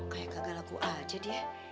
kayak gagal laku aja dia